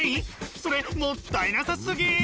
それもったいなさすぎ！